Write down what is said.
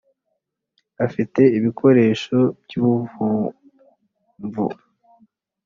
Afite ibikoresho by ‘ubuvumvu.